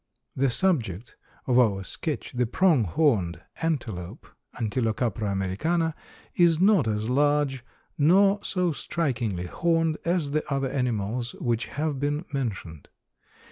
The subject of our sketch, the Prong horned antelope (Antilocapra americana), is not as large nor so strikingly horned as the other animals which have been mentioned.